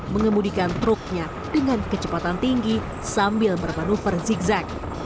mengemudikan truknya dengan kecepatan tinggi sambil bermanuver zigzag